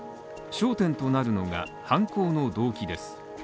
焦点となるのが犯行の動機です。